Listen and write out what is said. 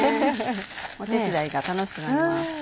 お手伝いが楽しくなります。